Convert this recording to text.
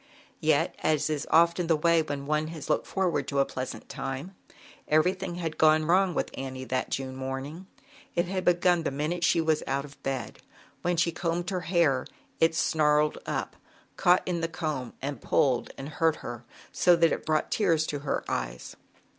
Yet, as is often the way, when one has long looked forward to a pleasant time, everything had gone wrong with Annie that June morning. It had be gun the minute she was out of bed. o 78 ZAUBERLINDA, THE WISE WITCH. When she combed her hair, it snarled up, caught in the comb and pulled and hurt her so, that it brought tears to her eyes.